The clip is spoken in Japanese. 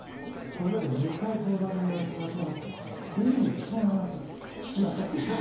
これまで２回この番組をやらせてもらっていますがいい意味で人の話を聞きません。